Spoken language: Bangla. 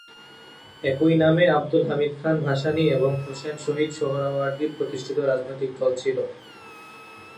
একই নামে আবদুল হামিদ খান ভাসানী এবং হোসেন শহীদ সোহরাওয়ার্দীর প্রতিষ্ঠিত রাজনৈতিক দল ছিল।